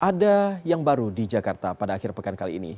ada yang baru di jakarta pada akhir pekan kali ini